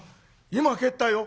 今帰ったよ」。